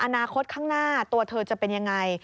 อนาคตข้างหน้าตัวเธอจะเป็นยังไง